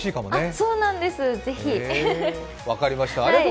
そうなんです、ぜひ。